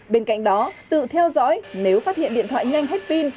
bên cạnh đó tự theo dõi nếu phát hiện điện thoại nhanh hay pin